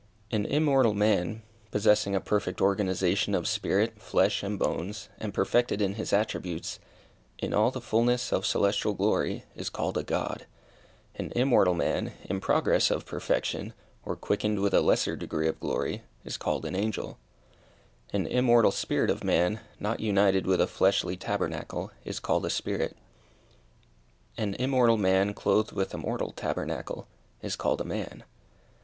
An immortal man, possessing a perfect organization of spirit, flesh, and bones, and perfected in his attributes, in all the fulness of celestial glory, is called a God. An immortal man, in progress of perfection, or quickened with a lesser degree of glory, is called an angel. An immortal spirit of man, not united with a fleshly tabernacle, is called a spirit. An immortal man, clothed with a mortal tabernacle, is called a man.